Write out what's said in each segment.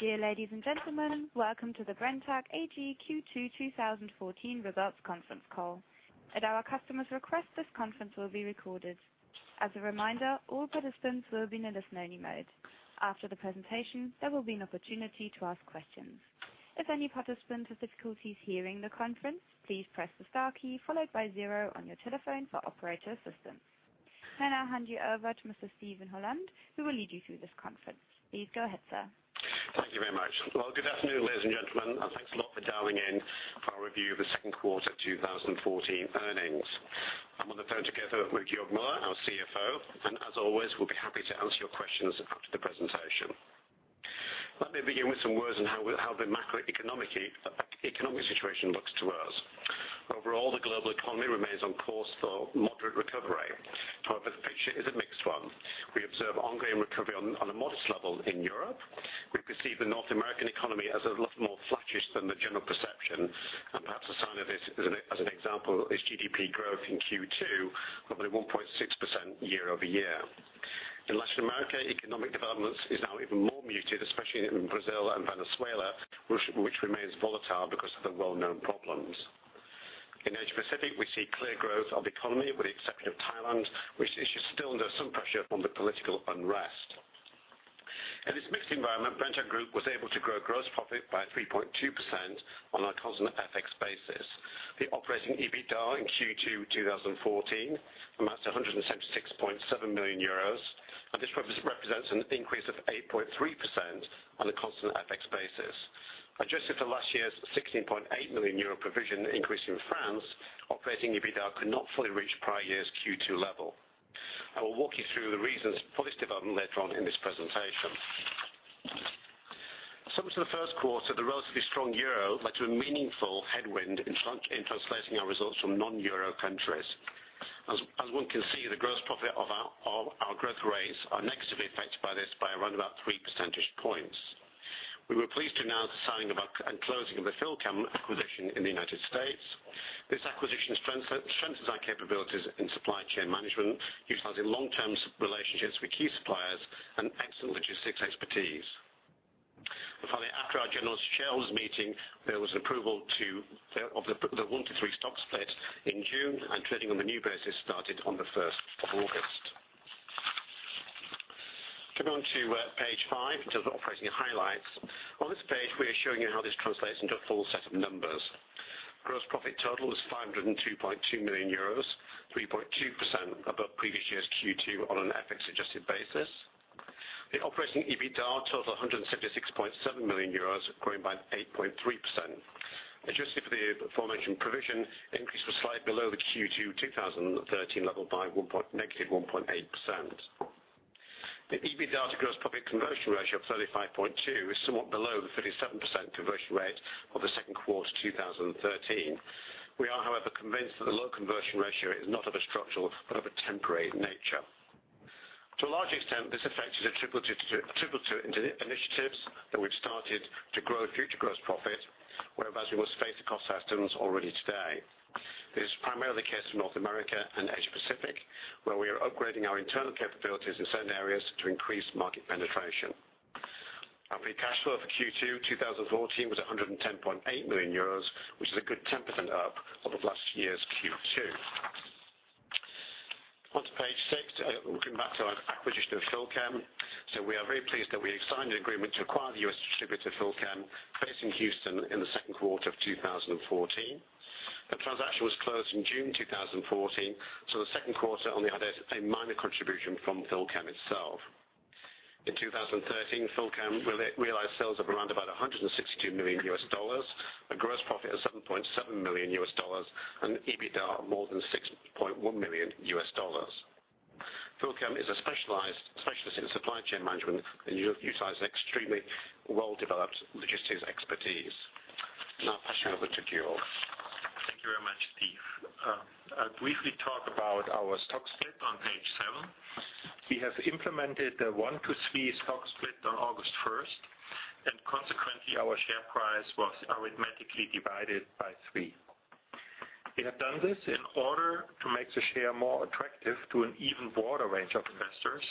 Dear ladies and gentlemen, welcome to the Brenntag AG Q2 2014 Results Conference Call. At our customers' request, this conference will be recorded. As a reminder, all participants will be in a listen-only mode. After the presentation, there will be an opportunity to ask questions. If any participants have difficulties hearing the conference, please press the star key followed by zero on your telephone for operator assistance. I now hand you over to Mr. Steven Holland, who will lead you through this conference. Please go ahead, sir. Thank you very much. Well, good afternoon, ladies and gentlemen. Thanks a lot for dialing in for our review of the second quarter 2014 earnings. I'm on the phone together with Georg Müller, our CFO, and as always, we'll be happy to answer your questions after the presentation. Let me begin with some words on how the macroeconomic situation looks to us. Overall, the global economy remains on course for moderate recovery. However, the picture is a mixed one. We observe ongoing recovery on a modest level in Europe. We perceive the North American economy as a lot more flattish than the general perception. Perhaps a sign of this as an example is GDP growth in Q2 of only 1.6% year-over-year. In Latin America, economic developments is now even more muted, especially in Brazil and Venezuela, which remains volatile because of the well-known problems. In Asia-Pacific, we see clear growth of economy with the exception of Thailand, which is still under some pressure from the political unrest. In this mixed environment, Brenntag group was able to grow gross profit by 3.2% on a constant FX basis. The operating EBITDA in Q2 2014 amounts to 176.7 million euros, this represents an increase of 8.3% on a constant FX basis. Adjusted for last year's 16.8 million euro provision increase in France, operating EBITDA could not fully reach prior year's Q2 level. I will walk you through the reasons for this development later on in this presentation. Similar to the first quarter, the relatively strong euro led to a meaningful headwind in translating our results from non-euro countries. As one can see, the gross profit of our growth rates are negatively affected by this by around about three percentage points. We were pleased to announce the signing and closing of the PhilChem acquisition in the U.S. This acquisition strengthens our capabilities in supply chain management, utilizing long-term relationships with key suppliers and excellent logistics expertise. Finally, after our general shareholders meeting, there was approval of the one-to-three stock split in June, and trading on the new basis started on the 1st of August. Coming on to page five, in terms of operating highlights. On this page, we are showing you how this translates into a full set of numbers. Gross profit total is 502.2 million euros, 3.2% above previous year's Q2 on an FX adjusted basis. The operating EBITDA total 176.7 million euros, growing by 8.3%. Adjusted for the aforementioned provision, increase was slightly below the Q2 2013 level by negative 1.8%. The EBITDA to gross profit conversion ratio of 35.2% is somewhat below the 37% conversion rate of the second quarter 2013. We are, however, convinced that the low conversion ratio is not of a structural but of a temporary nature. To a large extent, this affected attributes to initiatives that we've started to grow future gross profit, whereas we must face the cost in service already today. This is primarily the case for North America and Asia-Pacific, where we are upgrading our internal capabilities in certain areas to increase market penetration. Operating cash flow for Q2 2014 was 110.8 million euros, which is a good 10% up over last year's Q2. On to page six, looking back to our acquisition of PhilChem. We are very pleased that we have signed an agreement to acquire the U.S. distributor, PhilChem, based in Houston in the second quarter of 2014. The transaction was closed in June 2014, the second quarter only had a minor contribution from PhilChem itself. In 2013, PhilChem realized sales of around about $162 million, a gross profit of $7.7 million, and EBITDA more than $6.1 million. PhilChem is a specialist in supply chain management and utilizes extremely well-developed logistics expertise. Passing over to Georg. Thank you very much, Steve. I'll briefly talk about our stock split on page seven. We have implemented a one-to-three stock split on August 1st, consequently, our share price was arithmetically divided by three. We have done this in order to make the share more attractive to an even broader range of investors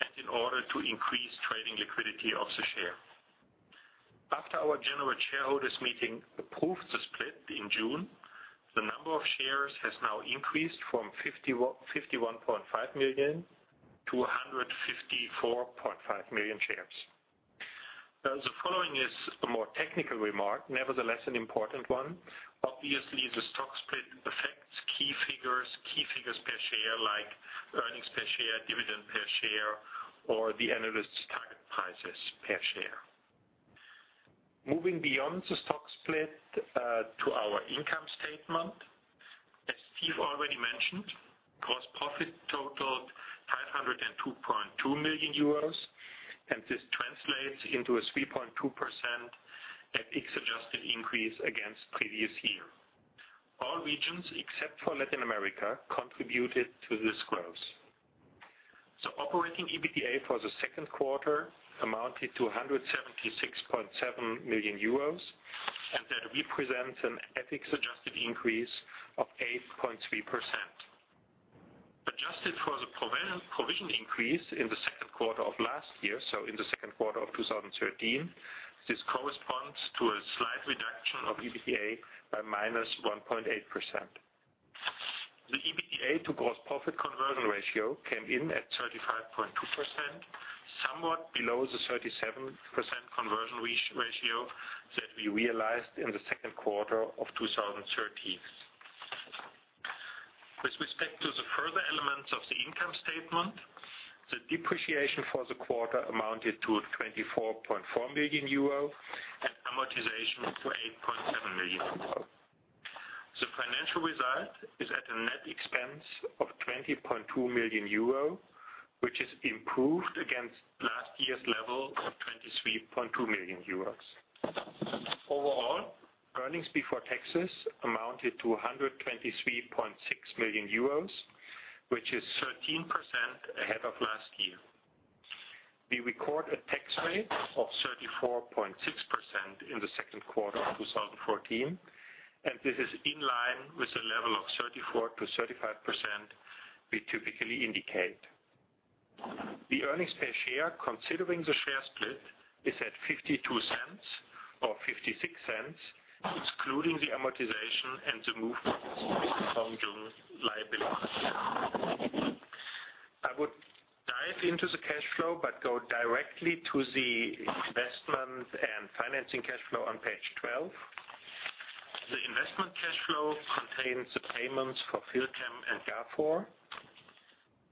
and in order to increase trading liquidity of the share. After our general shareholders meeting approved the split in June, the number of shares has now increased from 51.5 million to 154.5 million shares. The following is a more technical remark, nevertheless, an important one. Obviously, the stock split affects key figures per share, like earnings per share, dividend per share, or the analyst's target prices per share. Moving beyond the stock split to our income statement. As Steve already mentioned, gross profit totaled 502.2 million euros, This translates into a 3.2% FX-adjusted increase against previous year. All regions except for Latin America contributed to this growth. Operating EBITDA for the second quarter amounted to 176.7 million euros, That represents an FX-adjusted increase of 8.3%. Adjusted for the provision increase in the second quarter of last year, in the second quarter of 2013, this corresponds to a slight reduction of EBITDA by minus 1.8%. The EBITDA to gross profit conversion ratio came in at 35.2%, somewhat below the 37% conversion ratio that we realized in the second quarter of 2013. With respect to the further elements of the income statement, the depreciation for the quarter amounted to 24.4 million euro Amortization to 8.7 million euro. The financial result is at a net expense of 20.2 million euro, which is improved against last year's level of 23.2 million euros. Overall, earnings before taxes amounted to 123.6 million euros, which is 13% ahead of last year. We record a tax rate of 34.6% in the second quarter of 2014, this is in line with the level of 34%-35% we typically indicate. The earnings per share, considering the share split, is at 0.52 or 0.56, excluding the amortization and the movements on June liability. I would dive into the cash flow, go directly to the investment and financing cash flow on page 12. The investment cash flow contains the payments for PhilChem and Gafor.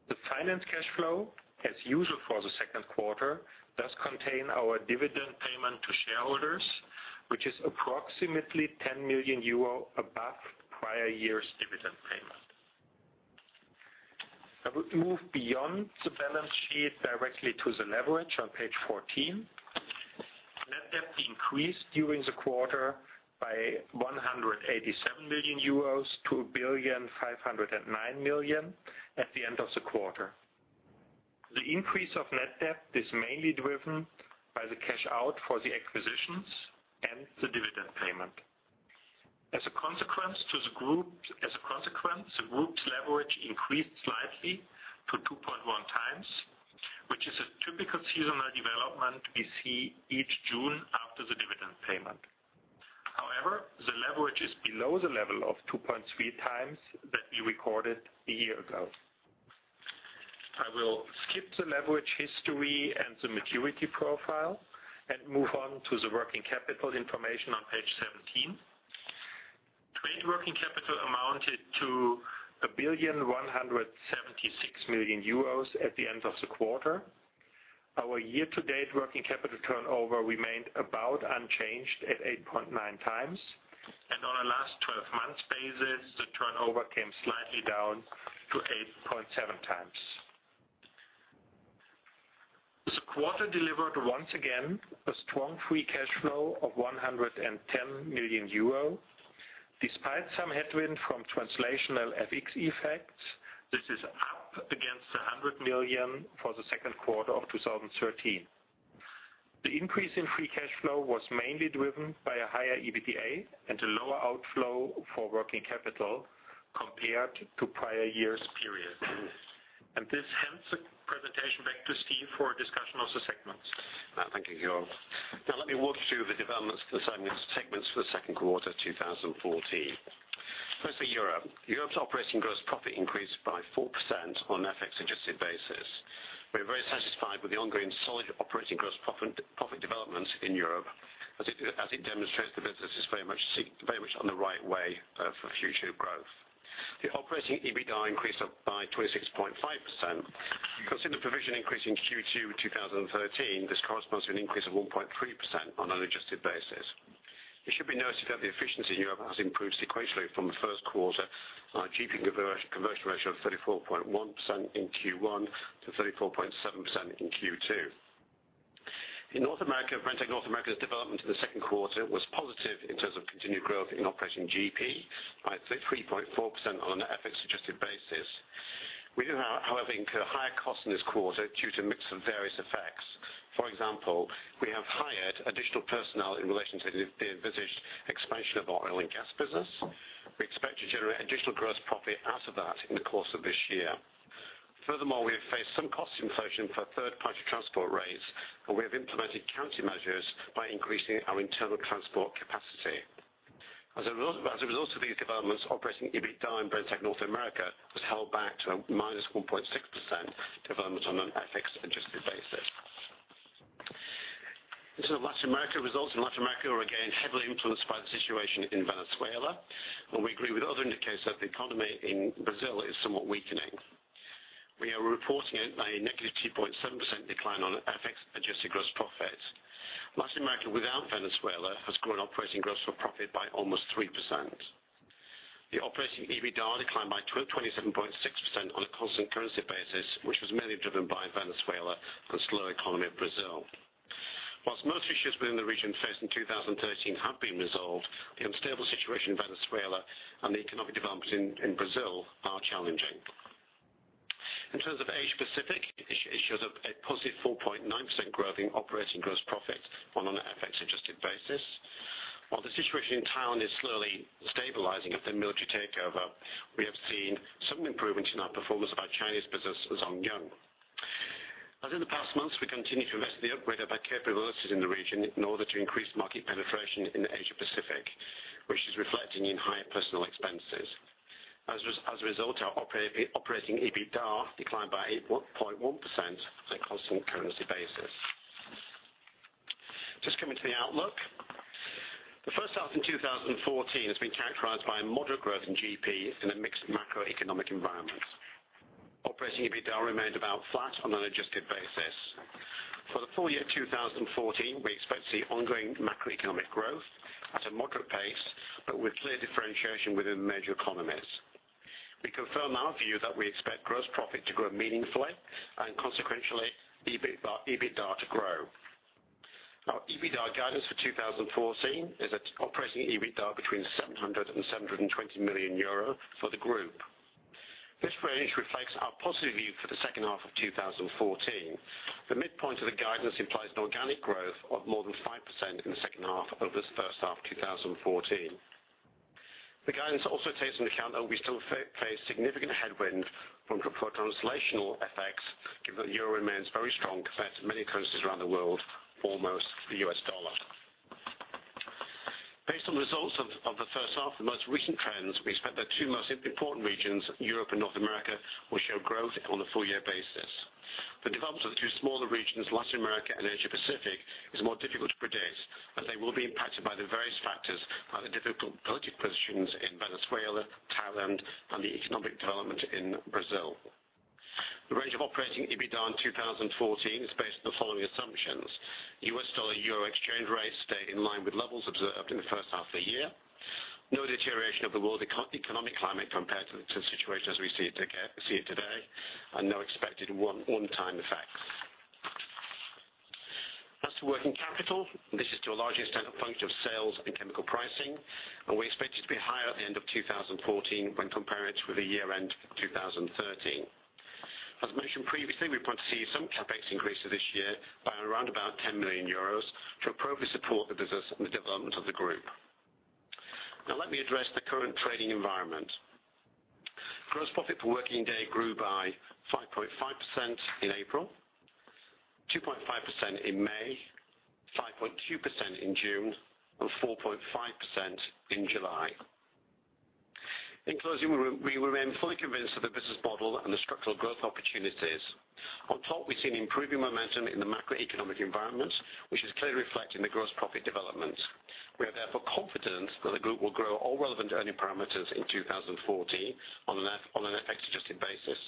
The finance cash flow, as usual for the second quarter, does contain our dividend payment to shareholders, which is approximately 10 million euro above prior year's dividend payment. I would move beyond the balance sheet directly to the leverage on page 14. Net debt increased during the quarter by 187 million euros to 1.509 billion at the end of the quarter. The increase of net debt is mainly driven by the cash out for the acquisitions and the dividend payment. As a consequence, the group's leverage increased slightly to 2.1 times, which is a typical seasonal development we see each June after the dividend payment. However, the leverage is below the level of 2.3 times that we recorded a year ago. I will skip the leverage history and the maturity profile and move on to the working capital information on page 17. Trade working capital amounted to 1.176 billion at the end of the quarter. Our year-to-date working capital turnover remained about unchanged at 8.9 times, on a last 12 months basis, the turnover came slightly down to 8.7 times. This quarter delivered, once again, a strong free cash flow of 110 million euro. Despite some headwind from translational FX effects, this is up against 100 million for the second quarter of 2013. The increase in free cash flow was mainly driven by a higher EBITDA and a lower outflow for working capital compared to prior years' period. This hence the presentation. Back to Steve for a discussion of the segments. Thank you, Georg. Let me walk you through the developments of the segments for the second quarter 2014. First, the Europe. Europe's operating gross profit increased by 4% on FX adjusted basis. We're very satisfied with the ongoing solid operating gross profit developments in Europe, as it demonstrates the business is very much on the right way for future growth. The operating EBITDA increased by 26.5%. Consider provision increase in Q2 2013, this corresponds to an increase of 1.3% on an adjusted basis. It should be noticed that the efficiency in Europe has improved sequentially from the first quarter, our GP conversion ratio of 34.1% in Q1 to 34.7% in Q2. In North America, Brenntag North America's development in the second quarter was positive in terms of continued growth in operating GP by 3.4% on an FX adjusted basis. We do, however, incur higher costs in this quarter due to a mix of various effects. For example, we have hired additional personnel in relation to the envisaged expansion of our oil and gas business. We expect to generate additional gross profit out of that in the course of this year. Furthermore, we have faced some cost inflation for third-party transport rates, and we have implemented countermeasures by increasing our internal transport capacity. As a result of these developments, operating EBITDA in Brenntag North America was held back to a -1.6% development on an FX adjusted basis. In terms of Latin America, results in Latin America are again heavily influenced by the situation in Venezuela. While we agree with other indicators that the economy in Brazil is somewhat weakening. We are reporting a -2.7% decline on FX adjusted gross profit. Latin America without Venezuela has grown operating gross profit by almost 3%. The operating EBITDA declined by 27.6% on a constant currency basis, which was mainly driven by Venezuela and the slow economy of Brazil. Whilst most issues within the region faced in 2013 have been resolved, the unstable situation in Venezuela and the economic developments in Brazil are challenging. In terms of Asia Pacific, it shows a +4.9% growth in operating gross profit on an FX adjusted basis. While the situation in Thailand is slowly stabilizing after the military takeover, we have seen some improvement in our performance of our Chinese business, Zhong Yung. As in the past months, we continue to invest in the upgrade of our capabilities in the region in order to increase market penetration in the Asia Pacific, which is reflecting in higher personal expenses. As a result, our operating EBITDA declined by 8.1% on a constant currency basis. Coming to the outlook. The first half in 2014 has been characterized by a moderate growth in GP in a mixed macroeconomic environment. Operating EBITDA remained about flat on an adjusted basis. For the full year 2014, we expect to see ongoing macroeconomic growth at a moderate pace, but with clear differentiation within major economies. We confirm our view that we expect gross profit to grow meaningfully and consequentially, EBITDA to grow. Our EBITDA guidance for 2014 is at operating EBITDA between 700 million-720 million euro for the group. This range reflects our positive view for the second half of 2014. The midpoint of the guidance implies an organic growth of more than 5% in the second half of this first half 2014. The guidance also takes into account that we still face significant headwind from translational effects, given that euro remains very strong compared to many currencies around the world, foremost the US dollar. Based on the results of the first half and the most recent trends, we expect the two most important regions, Europe and North America, will show growth on a full year basis. The developments of the two smaller regions, Latin America and Asia Pacific, is more difficult to predict, as they will be impacted by the various factors, by the difficult political positions in Venezuela, Thailand, and the economic development in Brazil. The range of operating EBITDA in 2014 is based on the following assumptions: U.S. dollar-euro exchange rates stay in line with levels observed in the first half of the year, no deterioration of the world economic climate compared to the situation as we see it today, and no expected one-time effects. As to working capital, this is to a large extent, a function of sales and chemical pricing, and we expect it to be higher at the end of 2014 when comparing it with the year-end 2013. As mentioned previously, we plan to see some CapEx increase this year by around about 10 million euros to appropriately support the business and the development of the group. Let me address the current trading environment. Gross profit per working day grew by 5.5% in April, 2.5% in May, 5.2% in June, and 4.5% in July. In closing, we remain fully convinced of the business model and the structural growth opportunities. On top, we've seen improving momentum in the macroeconomic environment, which is clearly reflected in the gross profit development. We are therefore confident that the group will grow all relevant earning parameters in 2014 on an FX-adjusted basis.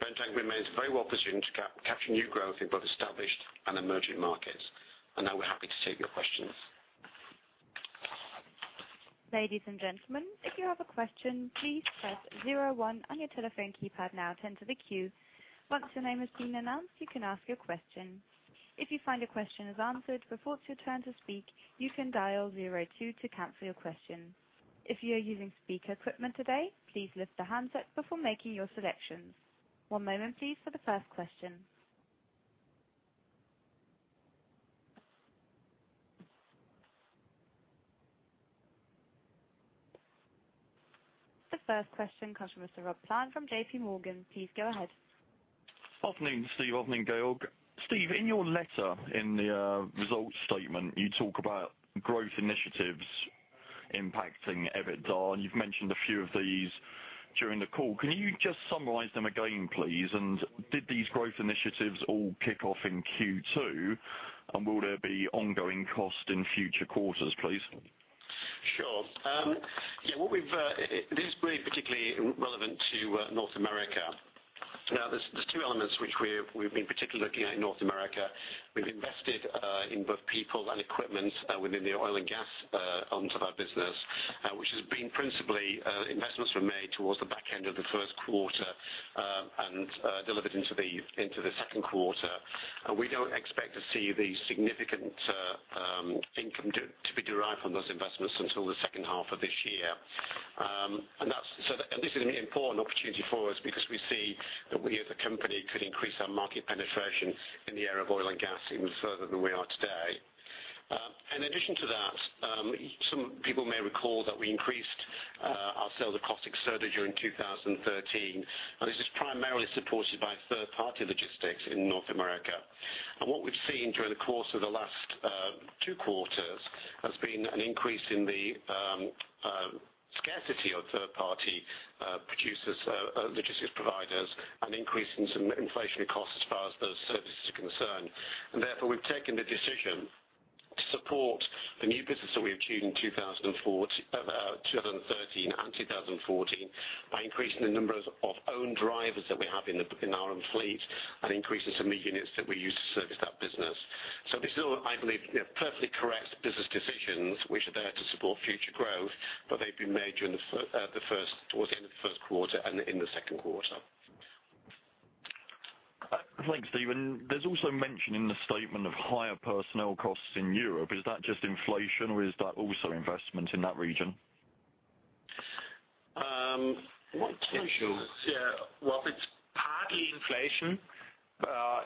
Brenntag remains very well positioned to capture new growth in both established and emerging markets. Now we're happy to take your questions. Ladies and gentlemen, if you have a question, please press zero one on your telephone keypad now to enter the queue. Once your name has been announced, you can ask your question. If you find your question is answered before it's your turn to speak, you can dial zero two to cancel your question. If you are using speaker equipment today, please lift the handset before making your selections. One moment please, for the first question. The first question comes from Mr. Rob Plumb from J.P. Morgan. Please go ahead. Good afternoon, Steve. Afternoon, Georg. Steve, in your letter in the results statement, you talk about growth initiatives impacting EBITDA, you've mentioned a few of these during the call. Can you just summarize them again, please? Did these growth initiatives all kick off in Q2? Will there be ongoing cost in future quarters, please? Sure. Yeah, this is particularly relevant to North America. There's two elements which we've been particularly looking at in North America. We've invested in both people and equipment within the oil and gas arms of our business which has been principally investments were made towards the back end of the first quarter, and delivered into the second quarter. We don't expect to see the significant income to be derived from those investments until the second half of this year. This is an important opportunity for us because we see that we as a company could increase our market penetration in the area of oil and gas even further than we are today. In addition to that, some people may recall that we increased our sales of caustic soda during 2013, and this is primarily supported by third party logistics in North America. What we've seen during the course of the last two quarters has been an increase in the scarcity of third party logistics providers, an increase in some inflationary costs as far as those services are concerned. Therefore, we've taken the decision to support the new business that we achieved in 2013 and 2014 by increasing the numbers of own drivers that we have in our own fleet and increasing some of the units that we use to service that business. This is all, I believe, perfectly correct business decisions which are there to support future growth, but they've been made towards the end of the first quarter and in the second quarter. Thanks, Steven. There's also mention in the statement of higher personnel costs in Europe. Is that just inflation, or is that also investment in that region? What can I say? Yeah, well, it's partly inflation.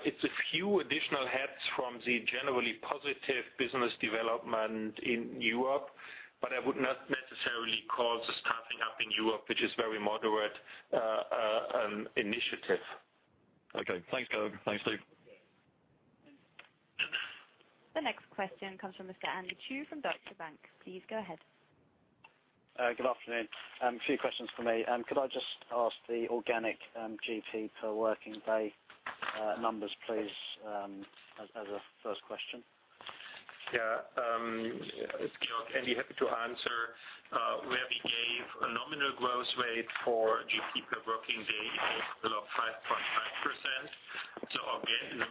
It's a few additional heads from the generally positive business development in Europe, but I would not necessarily call the staffing up in Europe, which is very moderate, an initiative. Okay. Thanks, Georg. Thanks, Steve. The next question comes from Mr. Andy Chu from Deutsche Bank. Please go ahead. Good afternoon. A few questions from me. Could I just ask the organic GP per working day numbers, please, as a first question? Yeah. It's Georg. Andy, happy to answer. Where we gave a nominal growth rate for GP per working day, it was below 5.5%.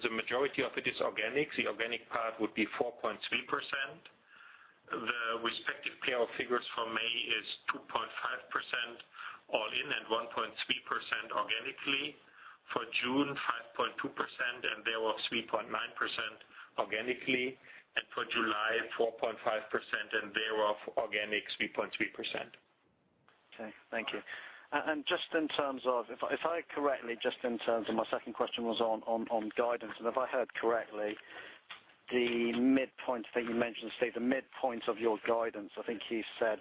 The majority of it is organic. The organic part would be 4.3%. The respective pair of figures for May is 2.5% all in and 1.3% organically. For June, 5.2%, and there was 3.9% organically. For July, 4.5%, and there, organic, 3.3%. Okay. Thank you. If I heard correctly, just in terms of my second question was on guidance. If I heard correctly, I think you mentioned, Steve, the midpoint of your guidance, I think you said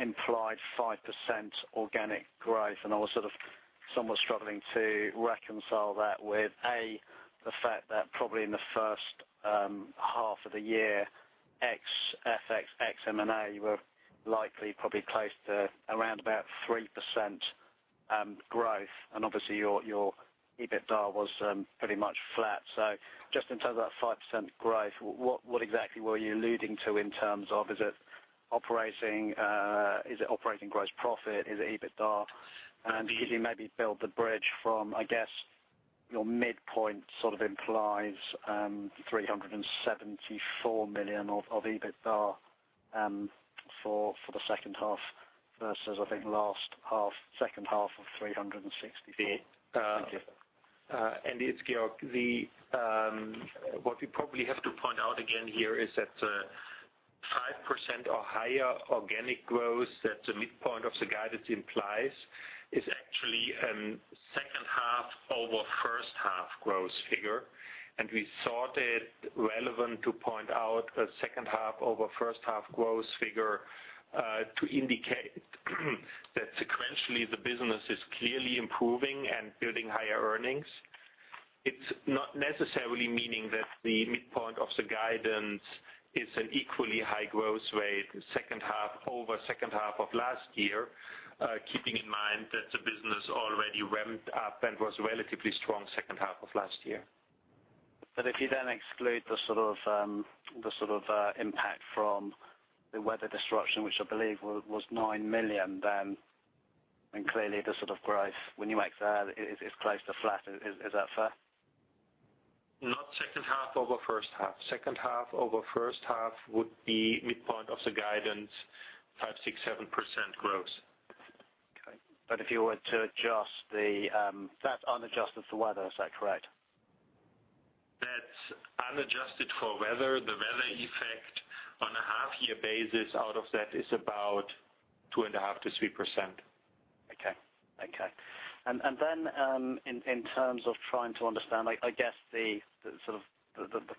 implied 5% organic growth. I was somewhat struggling to reconcile that with, A, the fact that probably in the first half of the year, ex FX, ex M&A, you were likely probably close to around about 3% growth. Obviously your EBITDA was pretty much flat. Just in terms of that 5% growth, what exactly were you alluding to in terms of, is it operating gross profit? Is it EBITDA? Could you maybe build the bridge from, I guess, your midpoint implies 374 million of EBITDA for the second half versus, I think last half, second half of 364 million. Thank you. Andy, it's Georg. What we probably have to point out again here is that the 5% or higher organic growth that the midpoint of the guidance implies is actually a second half over first half growth figure. We thought it relevant to point out a second half over first half growth figure to indicate that sequentially the business is clearly improving and building higher earnings. It's not necessarily meaning that the midpoint of the guidance is an equally high growth rate second half over second half of last year, keeping in mind that the business already ramped up and was relatively strong second half of last year. If you then exclude the impact from the weather disruption, which I believe was 9 million, then clearly the growth, when you make that, it's close to flat. Is that fair? Not second half over first half. Second half over first half would be midpoint of the guidance, 5%, 6%, 7% growth. Okay. That's unadjusted for weather. Is that correct? That's unadjusted for weather. The weather effect on a half year basis out of that is about two and a half to 3%. Okay. In terms of trying to understand, I guess the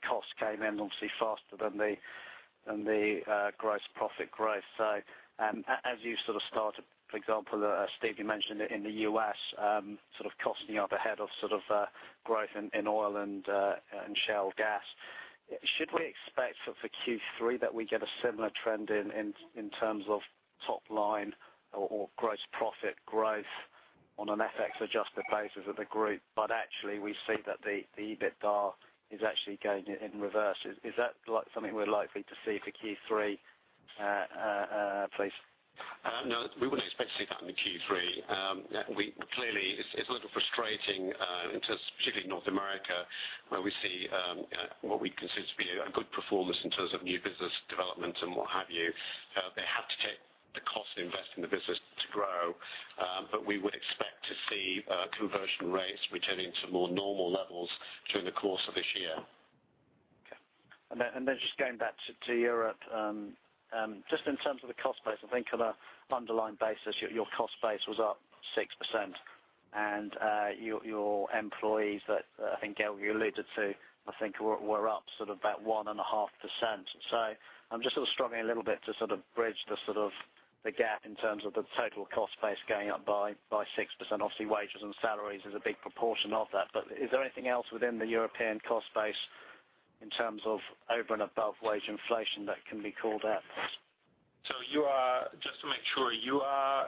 cost came in obviously faster than the gross profit growth. As you started, for example, Steve, you mentioned it in the U.S., costing up ahead of growth in oil and shale gas. Should we expect for Q3 that we get a similar trend in terms of top line or gross profit growth on an FX adjusted basis of the group, but actually we see that the EBITDA is actually going in reverse. Is that something we're likely to see for Q3, please? We wouldn't expect to see that in the Q3. It's a little frustrating in terms of, particularly North America, where we see what we consider to be a good performance in terms of new business development and what have you. They have to take the cost to invest in the business to grow. We would expect to see conversion rates returning to more normal levels during the course of this year. Okay. Then just going back to Europe, just in terms of the cost base, I think on an underlying basis, your cost base was up 6%. Your employees that I think, Georg, you alluded to, I think were up about 1.5%. I'm just struggling a little bit to bridge the gap in terms of the total cost base going up by 6%. Obviously, wages and salaries is a big proportion of that. Is there anything else within the European cost base in terms of over and above wage inflation that can be called out? Just to make sure, you are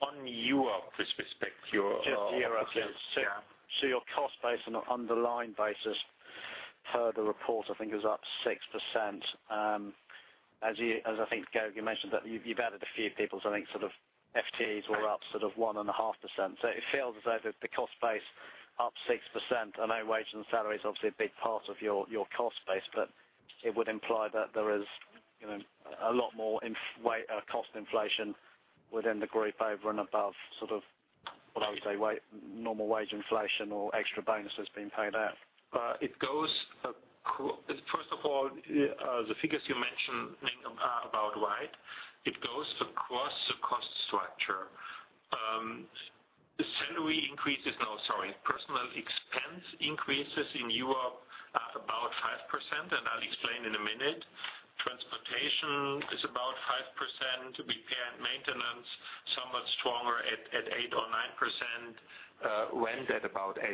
on Europe with respect your Just Europe, yes. Yeah. Your cost base on an underlying basis per the report, I think is up 6%. As I think, Georg, you mentioned that you've added a few people, I think FTEs were up 1.5%. It feels as though the cost base up 6%, I know wages and salaries obviously a big part of your cost base, but it would imply that there is a lot more cost inflation within the group over and above what I would say, normal wage inflation or extra bonuses being paid out. First of all, the figures you mentioned, Andy, about right. It goes across the cost structure. Salary increases. No, sorry. Personnel expense increases in Europe are about 5%. I'll explain in a minute. Transportation is about 5%. Repair and maintenance, somewhat stronger at 8% or 9%, rent at about 8%.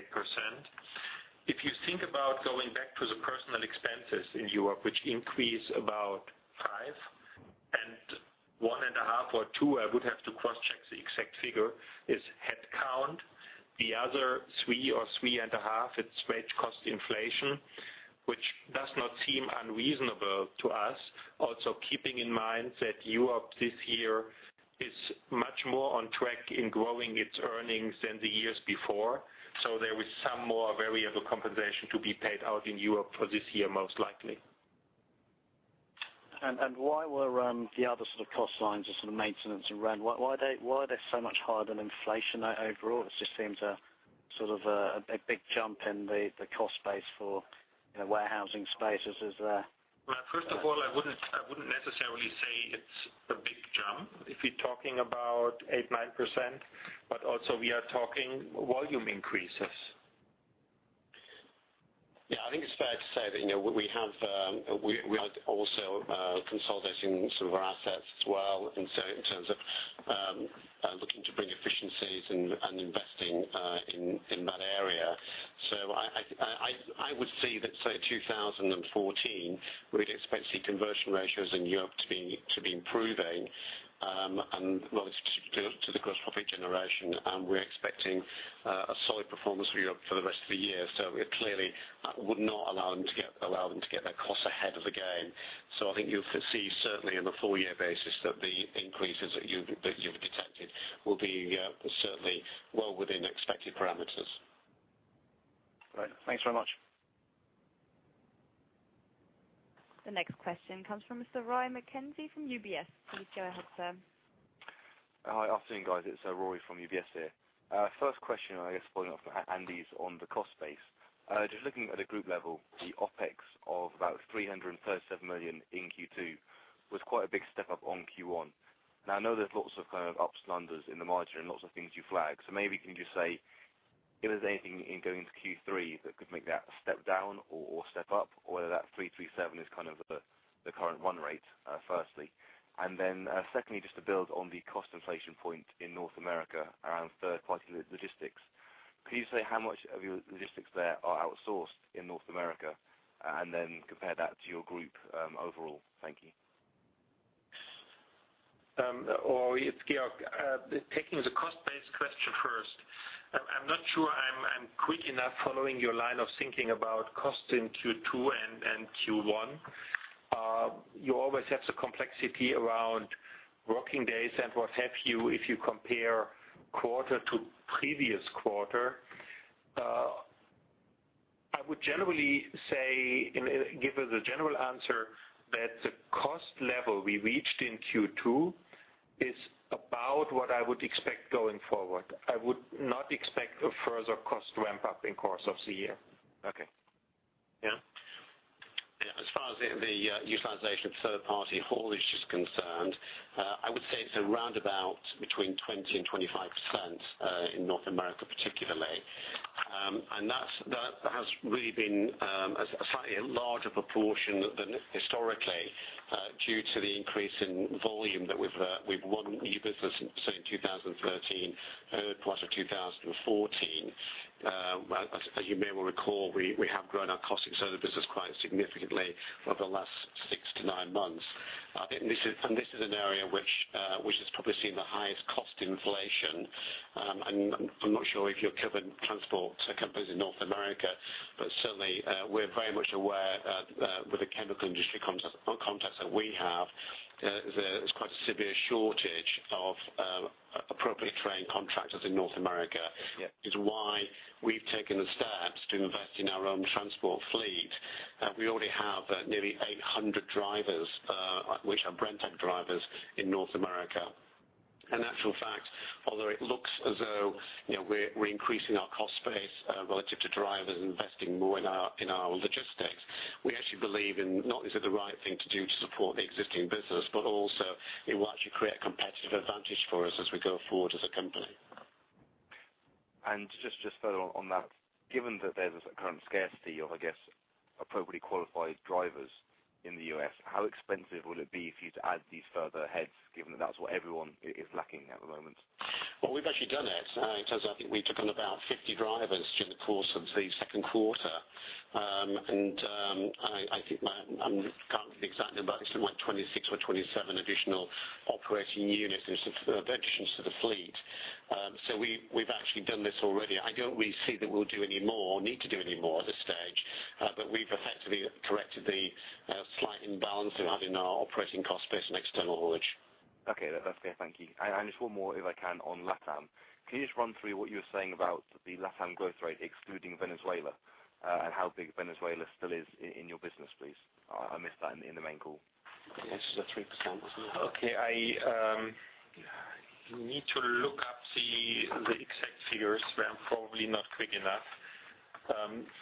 If you think about going back to the personnel expenses in Europe, which increase about five and 1.5 or two, I would have to cross-check the exact figure is headcount, the other three or 3.5, it's wage cost inflation, which does not seem unreasonable to us. Also, keeping in mind that Europe this year is much more on track in growing its earnings than the years before. There is some more variable compensation to be paid out in Europe for this year, most likely. Why were the other sort of cost lines are sort of maintenance and rent, why are they so much higher than inflation overall? It just seems a big jump in the cost base for warehousing spaces is there. Well, first of all, I wouldn't necessarily say it's a big jump if you're talking about 8% or 9%. Also, we are talking volume increases. Yeah, I think it's fair to say that we are also consolidating some of our assets as well in terms of looking to bring efficiencies and investing in that area. I would see that, say, 2014, we'd expect to see conversion ratios in Europe to be improving, and well, specifically to the gross profit generation, and we're expecting a solid performance for Europe for the rest of the year. It clearly would not allow them to get their costs ahead of the game. I think you'll foresee certainly on a full-year basis that the increases that you've detected will be certainly well within expected parameters. Right. Thanks very much. The next question comes from Mr. Rory Mackenzie from UBS. Please go ahead, sir. Hi. Afternoon, guys. It's Rory from UBS here. First question, I guess following up from Andy's on the cost base. Just looking at a group level, the OpEx of about 337 million in Q2 was quite a big step-up on Q1. I know there's lots of kind of ups and unders in the margin and lots of things you flagged. Maybe can you just say if there's anything in going into Q3 that could make that a step down or step up or whether that 337 is kind of the current run rate, firstly. Secondly, just to build on the cost inflation point in North America around third party logistics. Could you say how much of your logistics there are outsourced in North America and then compare that to your group overall? Thank you. Rory, it's Georg. Taking the cost-based question first. I'm not sure I'm quick enough following your line of thinking about cost in Q2 and Q1. You always have the complexity around working days and what have you if you compare quarter to previous quarter. I would generally say, and give as a general answer, that the cost level we reached in Q2 is about what I would expect going forward. I would not expect a further cost ramp-up in course of the year. Okay. Yeah. Yeah. As far as the utilization of third-party haulage is concerned, I would say it's around about between 20% and 25% in North America particularly. That has really been a slightly larger proportion than historically due to the increase in volume that we've won new business say in 2013, early part of 2014. As you may well recall, we have grown our cost in service business quite significantly over the last six to nine months. This is an area which has probably seen the highest cost inflation. I'm not sure if you're covering transport companies in North America, but certainly, we're very much aware that with the chemical industry contracts that we have, there's quite a severe shortage of appropriately trained contractors in North America. Yeah. That is why we've taken the steps to invest in our own transport fleet. We already have nearly 800 drivers, which are Brenntag drivers in North America. In actual fact, although it looks as though we're increasing our cost base relative to drivers investing more in our logistics, we actually believe in not is it the right thing to do to support the existing business, but also it will actually create a competitive advantage for us as we go forward as a company. Just to follow on that, given that there's a current scarcity of, I guess, appropriately qualified drivers in the U.S., how expensive would it be for you to add these further heads, given that that's what everyone is lacking at the moment? We've actually done it. In terms of, I think we took on about 50 drivers during the course of the second quarter. I can't remember the exact number. It's something like 26 or 27 additional operating units. There's additions to the fleet. We've actually done this already. I don't really see that we'll do any more or need to do any more at this stage, we've effectively corrected the slight imbalance we had in our operating cost base and external haulage. Okay. That's clear. Thank you. Just one more, if I can, on LATAM. Can you just run through what you were saying about the LATAM growth rate excluding Venezuela? How big Venezuela still is in your business, please? I missed that in the main call. Yes. The 3%, wasn't it? I need to look up the exact figures, I'm probably not quick enough.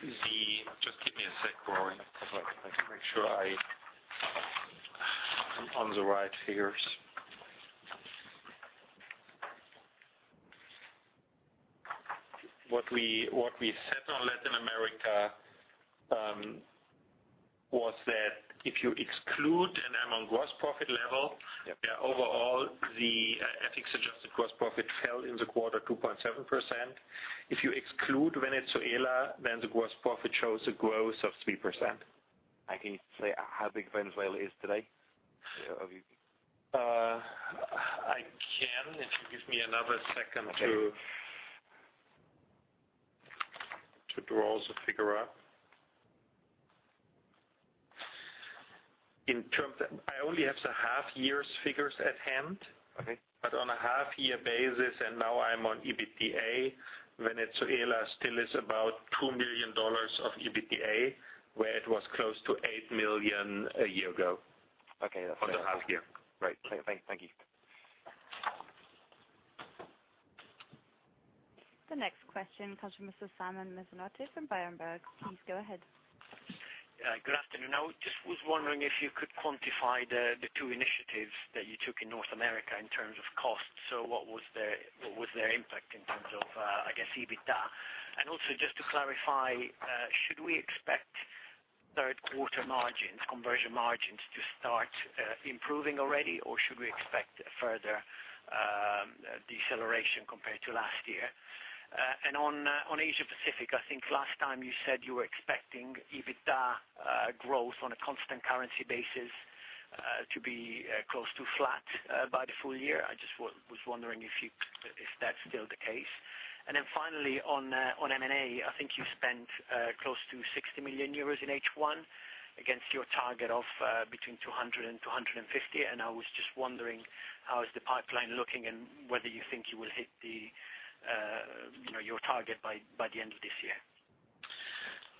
Just give me a sec, Rory. I'd like to make sure I am on the right figures. What we said on Latin America was that if you exclude and I'm on gross profit level. Yep Overall, the FX-adjusted gross profit fell in the quarter 2.7%. If you exclude Venezuela, the gross profit shows a growth of 3%. Can you say how big Venezuela is today? I can, if you give me another second to draw the figure up. I only have the half year's figures at hand. Okay. On a half year basis, and now I'm on EBITDA, Venezuela still is about EUR 2 million of EBITDA, where it was close to 8 million a year ago. Okay, that's. On the half year. Great. Thank you. The next question comes from Mr. Simon Mesnart from Berenberg. Please go ahead. Good afternoon. I just was wondering if you could quantify the two initiatives that you took in North America in terms of cost. What was their impact in terms of, I guess, EBITDA? Also, just to clarify, should we expect third quarter margins, conversion margins, to start improving already or should we expect a further deceleration compared to last year? On Asia Pacific, I think last time you said you were expecting EBITDA growth on a constant currency basis to be close to flat by the full year. I just was wondering if that's still the case. Finally, on M&A, I think you spent close to 60 million euros in H1 against your target of between 200 million and 250 million, and I was just wondering how is the pipeline looking and whether you think you will hit your target by the end of this year.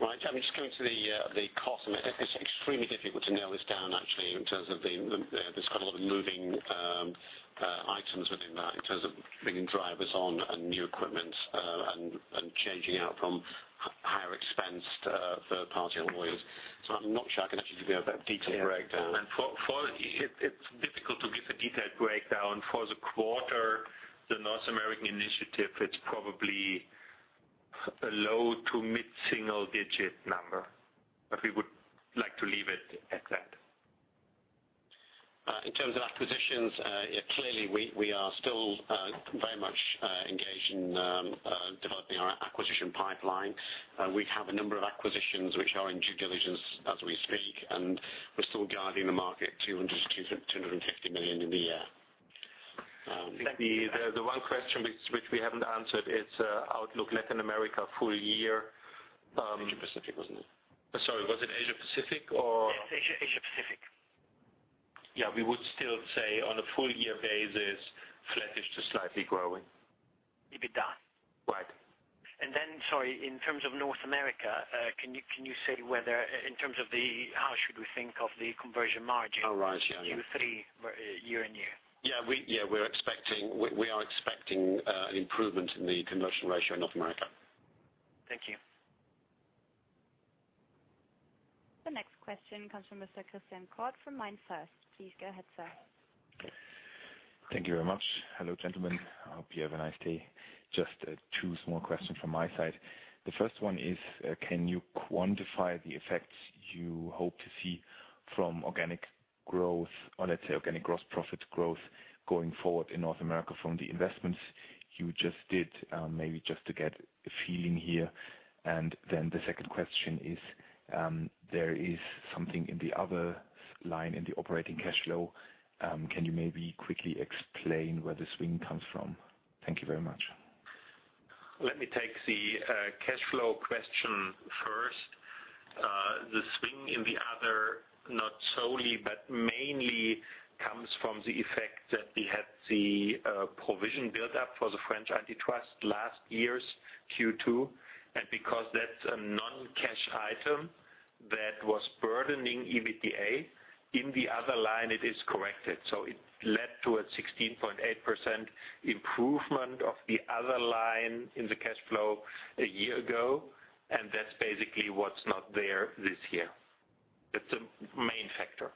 Right. Just coming to the cost, it is extremely difficult to nail this down, actually, in terms of the. There's quite a lot of moving items within that in terms of bringing drivers on and new equipment and changing out from higher expense to third-party employees. I'm not sure I can actually give you a detailed breakdown. It's difficult to give a detailed breakdown for the quarter. The North American initiative, it's probably a low to mid-single-digit number. We would like to leave it at that. In terms of acquisitions, clearly, we are still very much engaged in developing our acquisition pipeline. We have a number of acquisitions which are in due diligence as we speak, we're still guiding the market 200 million to 250 million in the year. The one question which we haven't answered is outlook Latin America full year. Asia Pacific, wasn't it? Sorry, was it Asia Pacific or? Yes, Asia Pacific. Yeah. We would still say on a full year basis, flat-ish to slightly growing. EBITDA? Right. Sorry, in terms of North America, can you say whether in terms of how should we think of the conversion margin? Oh, right. Yeah. Q3 year-on-year? Yeah, we are expecting an improvement in the conversion ratio in North America. Thank you. The next question comes from Mr. Christian Koch from MainFirst. Please go ahead, sir. Thank you very much. Hello, gentlemen. I hope you have a nice day. Just two small questions from my side. The first one is, can you quantify the effects you hope to see from organic growth, or let's say organic gross profit growth, going forward in North America from the investments you just did? Maybe just to get a feeling here. The second question is, there is something in the other line in the operating cash flow. Can you maybe quickly explain where the swing comes from? Thank you very much. Let me take the cash flow question first. The swing in the other, not solely, but mainly comes from the effect that we had the provision buildup for the French antitrust last year's Q2. Because that's a non-cash item that was burdening EBITDA, in the other line, it is corrected. It led to a 16.8% improvement of the other line in the cash flow a year ago, and that's basically what's not there this year. That's the main factor.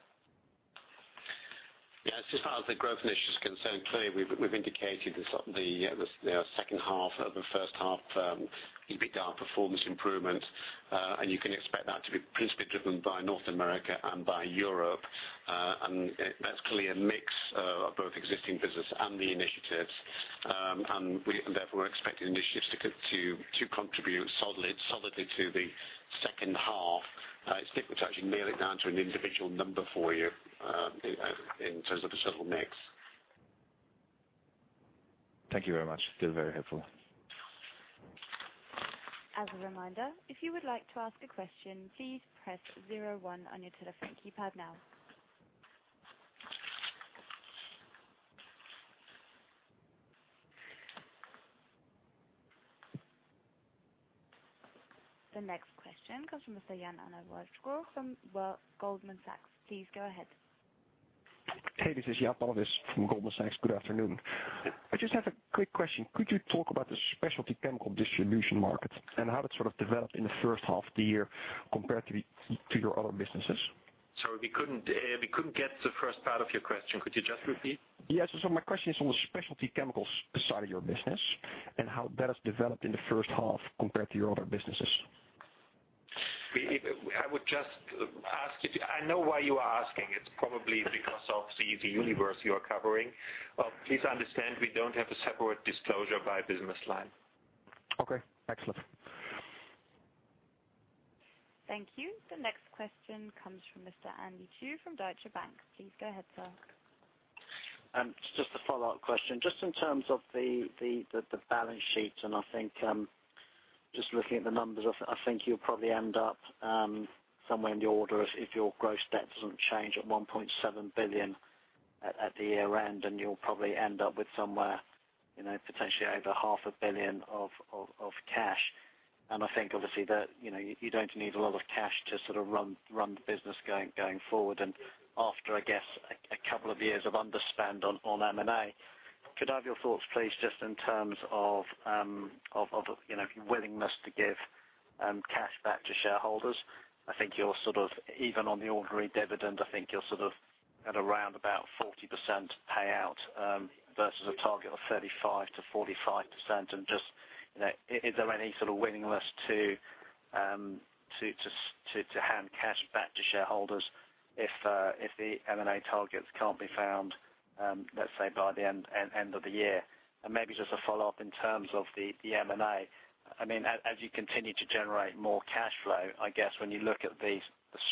Yeah. As far as the growth initiative is concerned, clearly, we've indicated the second half of the first half EBITDA performance improvement, and you can expect that to be principally driven by North America and by Europe. That's clearly a mix of both existing business and the initiatives. Therefore, we're expecting initiatives to contribute solidly to the second half. It's difficult to actually nail it down to an individual number for you in terms of the subtle mix. Thank you very much. Still very helpful. As a reminder, if you would like to ask a question, please press 01 on your telephone keypad now. The next question comes from Mr. Jaideep Pandya from Goldman Sachs. Please go ahead. Hey, this is Jaideep Pandya from Goldman Sachs. Good afternoon. I just have a quick question. Could you talk about the specialty chemical distribution market and how that developed in the first half of the year compared to your other businesses? Sorry, we couldn't get the first part of your question. Could you just repeat? Yes. My question is on the specialty chemicals side of your business and how that has developed in the first half compared to your other businesses. I know why you are asking. It's probably because of the universe you are covering. Please understand, we don't have a separate disclosure by business line. Okay. Excellent. Thank you. The next question comes from Mr. Andy Chu from Deutsche Bank. Please go ahead, sir. Just a follow-up question. Just in terms of the balance sheet, I think, just looking at the numbers, I think you'll probably end up somewhere in the order, if your gross debt doesn't change, at 1.7 billion at the year-end, you'll probably end up with somewhere potentially over half a billion EUR of cash. I think, obviously, that you don't need a lot of cash to run the business going forward. After, I guess, a couple of years of underspend on M&A, could I have your thoughts, please, just in terms of your willingness to give cash back to shareholders? Even on the ordinary dividend, I think you're at around about 40% payout versus a target of 35%-45%. Just, is there any sort of willingness to hand cash back to shareholders if the M&A targets can't be found, let's say, by the end of the year? Maybe just a follow-up in terms of the M&A. As you continue to generate more cash flow, I guess when you look at the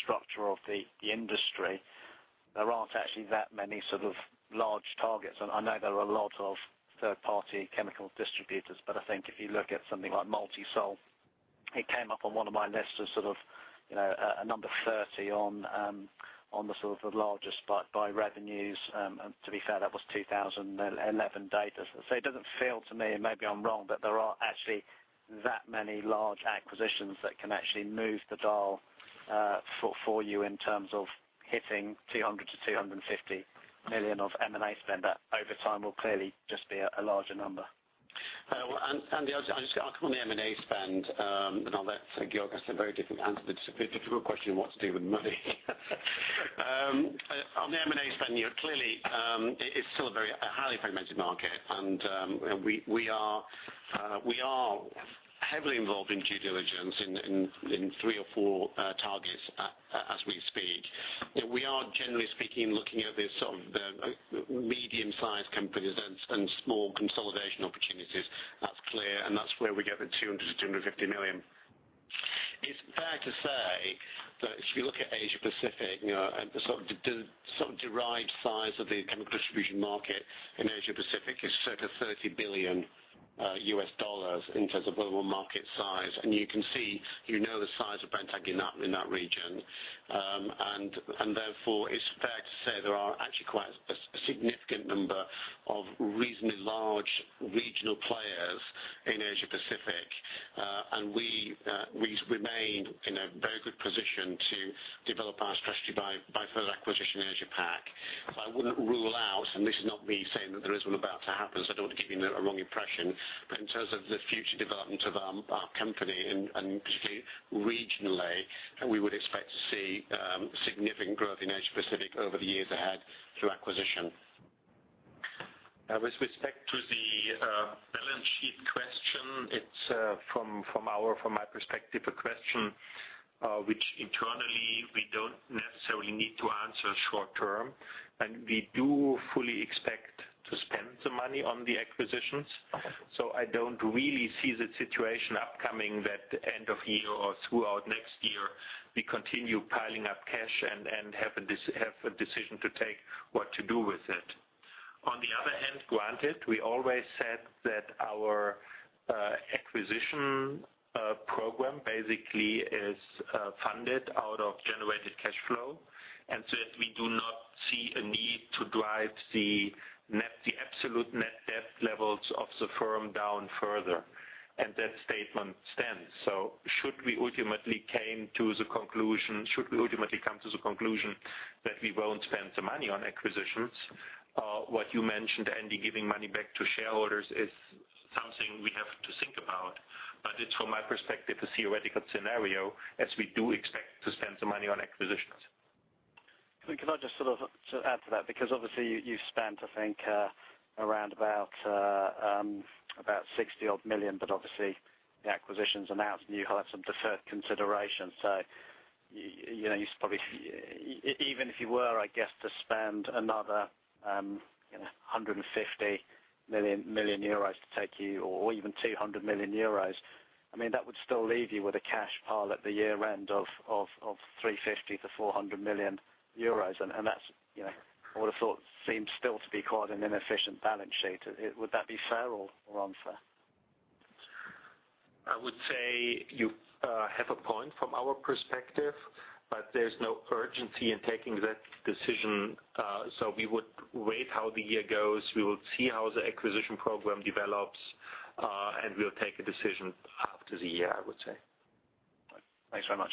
structure of the industry, there aren't actually that many large targets. I know there are a lot of third-party chemical distributors, but I think if you look at something like Multisol, it came up on one of my lists as a number 30 on the largest by revenues. To be fair, that was 2011 data. It doesn't feel to me, and maybe I'm wrong, that there are actually that many large acquisitions that can actually move the dial for you in terms of hitting 200 million-250 million of M&A spend that over time will clearly just be a larger number. Andy, I'll just come on the M&A spend, and I'll let Georg answer a very different answer, but it's a difficult question what to do with money. On the M&A spend, clearly, it is still a highly fragmented market, and we are heavily involved in due diligence in three or four targets as we speak. We are, generally speaking, looking at the medium-sized companies and small consolidation opportunities. That's clear, and that's where we get the 200 million-250 million. It's fair to say that if you look at Asia Pacific, the derived size of the chemical distribution market in Asia Pacific is circa $30 billion in terms of global market size, and you can see the size of Brenntag in that region. Therefore, it's fair to say there are actually quite a significant number of reasonably large regional players in Asia Pacific, and we remain in a very good position to develop our strategy by further acquisition in Asia Pac. I wouldn't rule out, and this is not me saying that the deal is about to happen, I don't want to give you the wrong impression. In terms of the future development of our company, and particularly regionally, we would expect to see significant growth in Asia Pacific over the years ahead through acquisition. With respect to the balance sheet question, it's from my perspective, a question which internally we don't necessarily need to answer short term, and we do fully expect to spend the money on the acquisitions. I don't really see the situation upcoming that end of year or throughout next year, we continue piling up cash and have a decision to take what to do with it. On the other hand, granted, we always said that our acquisition program basically is funded out of generated cash flow, that we do not see a need to drive the absolute net debt levels of the firm down further, and that statement stands. Should we ultimately come to the conclusion that we won't spend the money on acquisitions, what you mentioned, Andy, giving money back to shareholders is something we have to think about, it's from my perspective, a theoretical scenario as we do expect to spend the money on acquisitions. Can I just add to that? Obviously you spent I think around about 60-odd million, but obviously the acquisitions announced and you have some deferred consideration. Even if you were, I guess, to spend another 150 million euros or even 200 million euros, that would still leave you with a cash pile at the year-end of 350 million-400 million euros. That I would have thought seems still to be quite an inefficient balance sheet. Would that be fair or unfair? I would say you have a point from our perspective, there's no urgency in taking that decision. We would wait how the year goes. We will see how the acquisition program develops, we'll take a decision after the year, I would say. Thanks very much.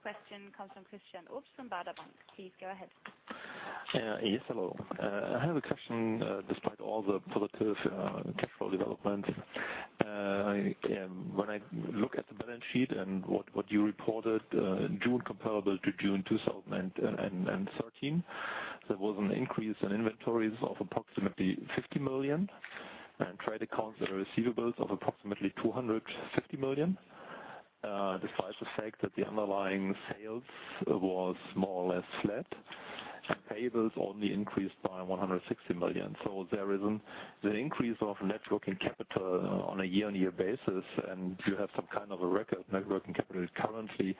Question comes from Christian Faitz from Baader Bank. Please go ahead. Yes. Hello. I have a question, despite all the positive cash flow development. When I look at the balance sheet and what you reported, June comparable to June 2013, there was an increase in inventories of approximately 50 million and trade accounts and receivables of approximately 250 million, despite the fact that the underlying sales was more or less flat and payables only increased by 160 million. There is the increase of net working capital on a year-on-year basis, and you have some kind of a record net working capital currently.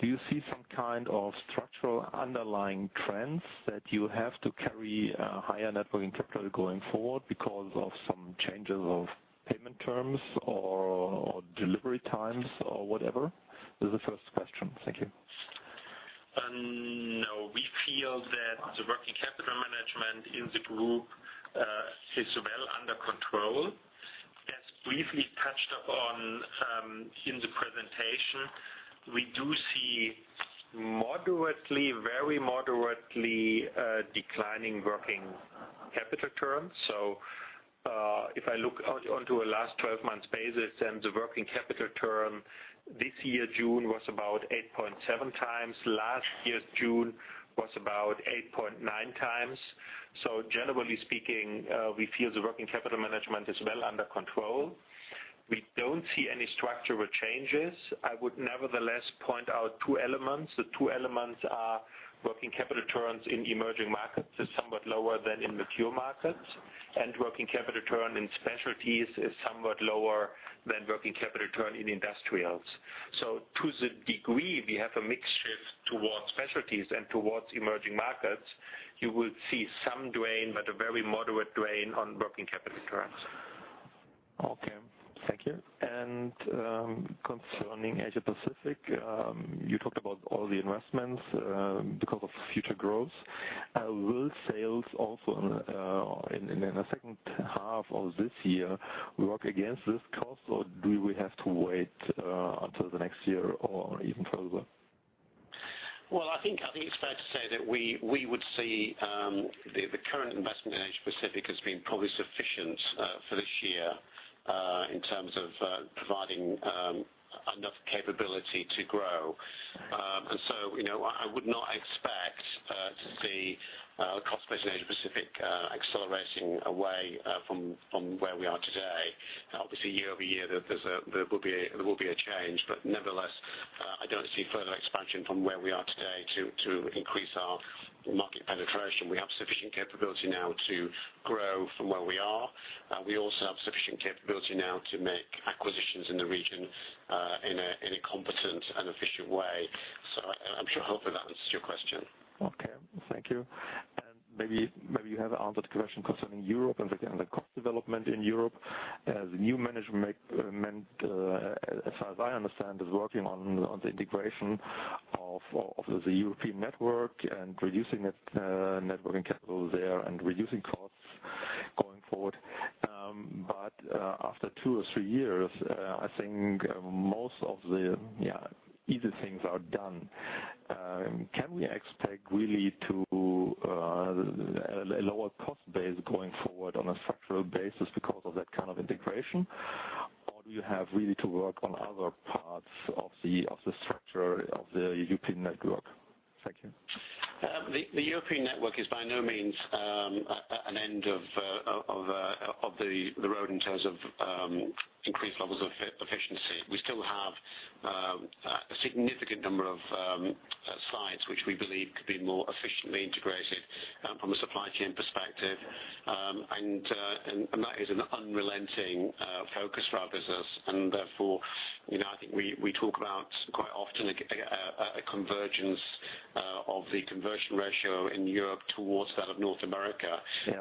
Do you see some kind of structural underlying trends that you have to carry a higher net working capital going forward because of some changes of payment terms or delivery times or whatever? This is the first question. Thank you. No. We feel that the working capital management in the group is well under control. As briefly touched upon in the presentation, we do see very moderately declining working capital terms. If I look onto a last 12 months basis, then the working capital term this year, June, was about 8.7 times. Last year's June was about 8.9 times. Generally speaking, we feel the working capital management is well under control. We don't see any structural changes. I would nevertheless point out two elements. The two elements are working capital turns in emerging markets is somewhat lower than in mature markets, and working capital turn in specialties is somewhat lower than working capital turn in industrials. To the degree we have a mix shift towards specialties and towards emerging markets, you would see some drain, but a very moderate drain on working capital turns. Okay, thank you. Concerning Asia Pacific, you talked about all the investments because of future growth. Will sales also in the second half of this year work against this cost or do we have to wait until the next year or even further? Well, I think it's fair to say that we would see the current investment in Asia Pacific as being probably sufficient for this year in terms of providing enough capability to grow. I would not expect to see our cost base in Asia Pacific accelerating away from where we are today. Obviously, year-over-year, there will be a change, but nevertheless, I don't see further expansion from where we are today to increase our market penetration. We have sufficient capability now to grow from where we are. We also have sufficient capability now to make acquisitions in the region in a competent and efficient way. I'm sure hopefully that answers your question. Okay, thank you. Maybe you have answered the question concerning Europe and the cost development in Europe. The new management, as far as I understand, is working on the integration of the European network and reducing net working capital there and reducing costs going forward. After two or three years, I think most of the easy things are done. Can we expect really to a lower cost base going forward on a structural basis because of that kind of integration, or do you have really to work on other parts of the structure of the European network? Thank you. The European network is by no means an end of the road in terms of increased levels of efficiency. We still have a significant number of sites which we believe could be more efficiently integrated from a supply chain perspective. That is an unrelenting focus for our business. Therefore, I think we talk about quite often a convergence of the conversion ratio in Europe towards that of North America. Yeah.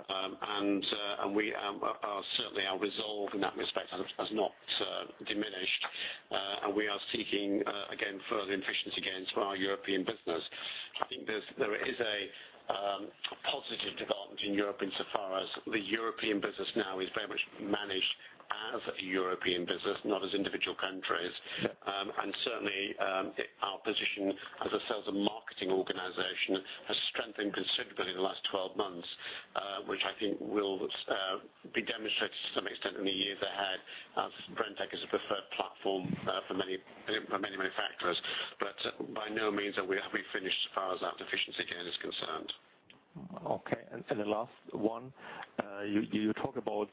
Certainly our resolve in that respect has not diminished. We are seeking, again, further efficiency gains for our European business. I think there is a positive development in Europe insofar as the European business now is very much managed as a European business, not as individual countries. Certainly, our position as a sales and marketing organization has strengthened considerably in the last 12 months, which I think will be demonstrated to some extent in the years ahead as Brenntag is a preferred platform for many manufacturers. By no means are we finished as far as that efficiency gain is concerned. Okay, the last one. You talk about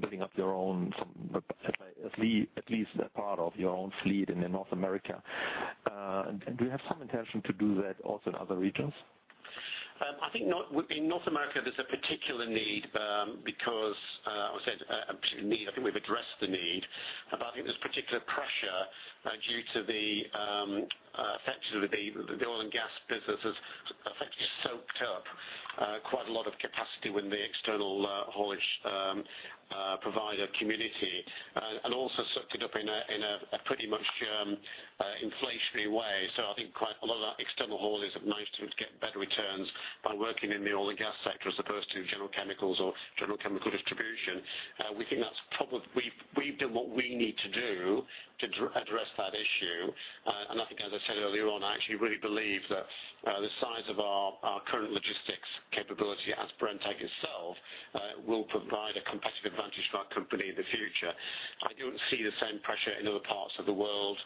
building up at least a part of your own fleet in North America. Do you have some intention to do that also in other regions? I think in North America, there's a particular need because I would say actually a need, I think we've addressed the need, but I think there's particular pressure due to the oil and gas businesses effectively soaked up quite a lot of capacity when the external haulage provider community, and also sucked it up in a pretty much inflationary way. I think quite a lot of that external haul is managed to get better returns by working in the oil and gas sector as opposed to general chemicals or general chemical distribution. We think we've done what we need to do to address that issue. I think, as I said earlier on, I actually really believe that the size of our current logistics capability as Brenntag itself will provide a competitive advantage to our company in the future. I don't see the same pressure in other parts of the world,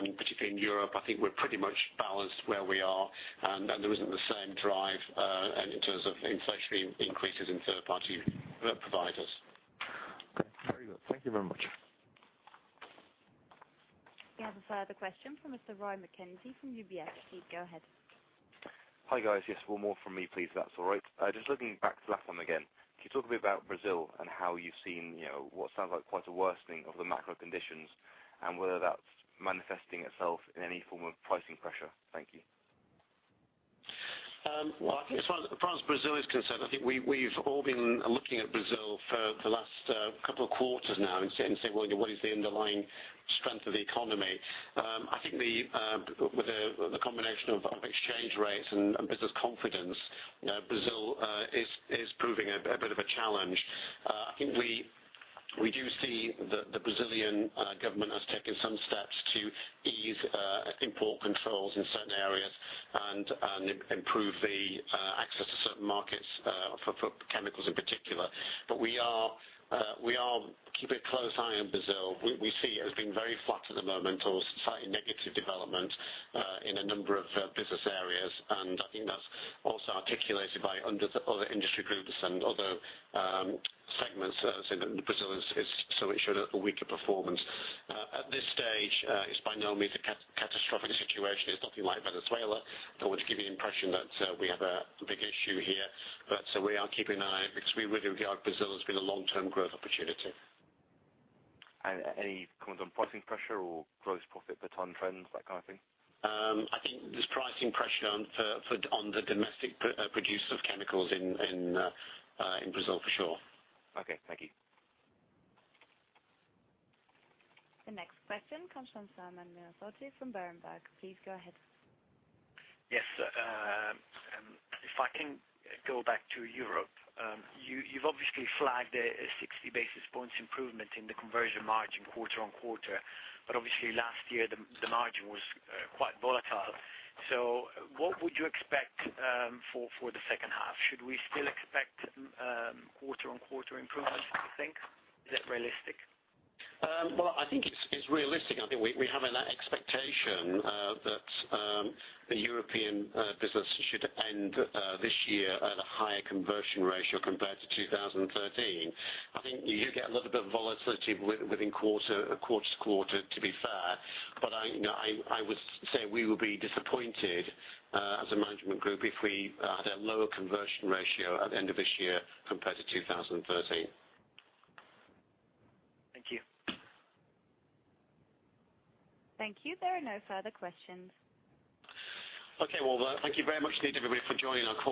and particularly in Europe. I think we're pretty much balanced where we are, and there isn't the same drive in terms of inflationary increases in third-party providers. Okay. Very good. Thank you very much. We have a further question from Mr. Rory Mackenzie from UBS. Please go ahead. Hi, guys. Yes, one more from me, please, if that's all right. Just looking back to LATAM again, can you talk a bit about Brazil and how you've seen what sounds like quite a worsening of the macro conditions, and whether that's manifesting itself in any form of pricing pressure? Thank you. Well, I think as far as Brazil is concerned, I think we've all been looking at Brazil for the last couple of quarters now and saying, "Well, what is the underlying strength of the economy?" I think with the combination of exchange rates and business confidence, Brazil is proving a bit of a challenge. I think we do see that the Brazilian government has taken some steps to ease import controls in certain areas and improve the access to certain markets for chemicals in particular. We are keeping a close eye on Brazil. We see it as being very flat at the moment or slightly negative development in a number of business areas, and I think that's also articulated by other industry groups and other segments saying that Brazil has shown a weaker performance. At this stage, it's by no means a catastrophic situation. It's nothing like Venezuela. I don't want to give the impression that we have a big issue here, but we are keeping an eye because we really regard Brazil as being a long-term growth opportunity. Any comments on pricing pressure or gross profit per ton trends, that kind of thing? I think there's pricing pressure on the domestic producer of chemicals in Brazil, for sure. Okay. Thank you. The next question comes from Simon Verraute from Berenberg. Please go ahead. Yes. If I can go back to Europe. You've obviously flagged a 60 basis points improvement in the conversion margin quarter-on-quarter, but obviously last year, the margin was quite volatile. What would you expect for the second half? Should we still expect quarter-on-quarter improvements, do you think? Is it realistic? I think it's realistic. I think we have an expectation that the European business should end this year at a higher conversion ratio compared to 2013. I think you get a little bit of volatility within quarter to quarter, to be fair, but I would say we will be disappointed as a management group if we had a lower conversion ratio at the end of this year compared to 2013. Thank you. Thank you. There are no further questions. Okay. Thank you very much indeed, everybody, for joining our call.